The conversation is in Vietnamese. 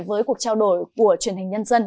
với cuộc trao đổi của truyền hình nhân dân